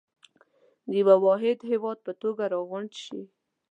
د يوه واحد هېواد په توګه راغونډ شئ.